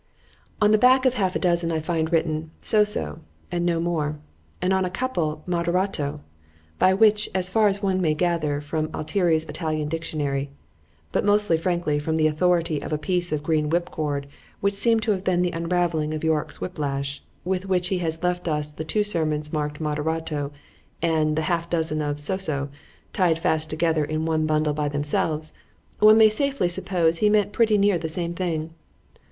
——_ On the back of half a dozen I find written, So, so, and no more——and upon a couple Moderato; by which, as far as one may gather from Altieri's Italian dictionary,—but mostly from the authority of a piece of green whipcord, which seemed to have been the unravelling of Yorick's whip lash, with which he has left us the two sermons marked Moderato, and the half dozen of So, so, tied fast together in one bundle by themselves,—one may safely suppose he meant pretty near the same thing.